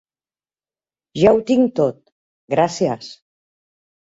Ja ho tinc tot, gràcies.